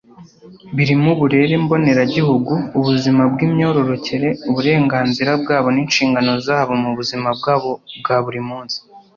Birimo uburere mboneragihugu, ubuzima bw’ imyororokere , uburenganzira bwabo n’inshingano zabo mubuzima bwabo bwaburi munsi.